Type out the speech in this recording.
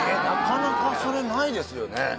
なかなかそれないですよね